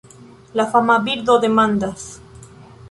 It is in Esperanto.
La fama birdo demandas: